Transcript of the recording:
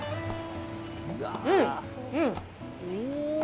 うん、うん！